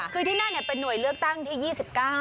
คือที่นั่นเป็นหน่วยเลือกตั้งที่๒๙